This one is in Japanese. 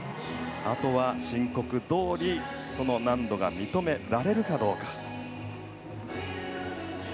あとは申告どおりその難度が認められるかどうか。